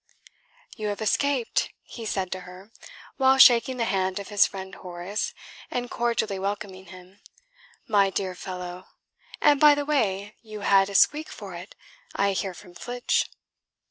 "You have escaped!" he said to her, while shaking the hand of his friend Horace and cordially welcoming him. "My dear fellow! and, by the way, you had a squeak for it, I hear from Flitch."